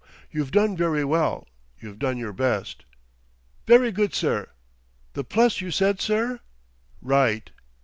You've done very well; you've done your best." "Very good, sir. The Pless, you said, sir? Right."